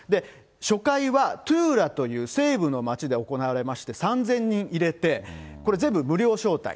初回はトゥーラという西部の街で行われまして、３０００人入れて、これ、全部無料招待。